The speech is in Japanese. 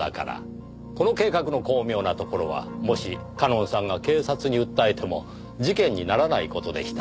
この計画の巧妙なところはもし夏音さんが警察に訴えても事件にならない事でした。